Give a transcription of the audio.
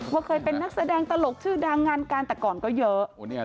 ว่าเคยเป็นนักแสดงตลกชื่อดังงานการแต่ก่อนก็เยอะ